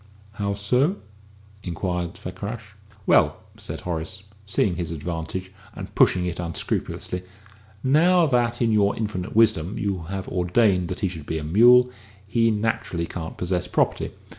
"How so?" inquired Fakrash. "Well," said Horace, seeing his advantage, and pushing it unscrupulously, "now, that, in your infinite wisdom, you have ordained that he should be a mule, he naturally can't possess property.